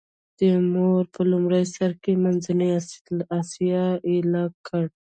تیمور په لومړي سر کې منځنۍ اسیا ایل کړه.